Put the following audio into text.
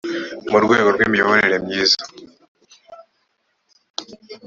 mu rwego rw imiyoborere myiza